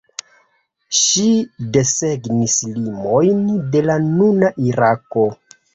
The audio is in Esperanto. Ŝi desegnis limojn de la nuna Irako.